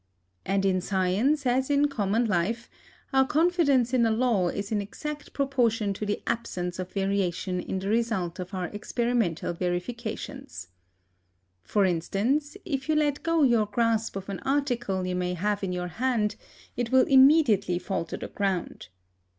And in science, as in common life, our confidence in a law is in exact proportion to the absence of variation in the result of our experimental verifications. For instance, if you let go your grasp of an article you may have in your hand, it will immediately fall to the ground.